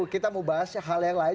kita mau bahas hal yang lain